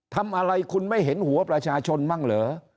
ทำอะไรคุณไม่เห็นหัวประชาชนมั่งเหรอ